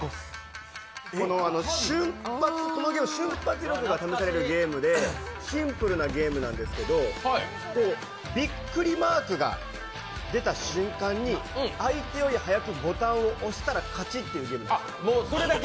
瞬発力が試されるゲームで、シンプルなゲームなんですけど、ビックリマークが出た瞬間に相手より速くボタンを押したら価値っていうゲームです。